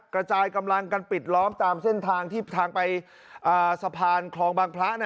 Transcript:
กระจายกำลังกันปิดล้อมตามเส้นทางที่ทางไปสะพานคลองบางพระ